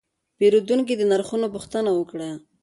پیرودونکی د نرخونو پوښتنه وکړه.